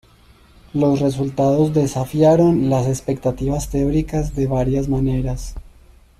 Los resultados desafiaron las expectativas teóricas de varias maneras.